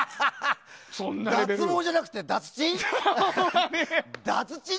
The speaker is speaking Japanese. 脱毛じゃなくて脱チン？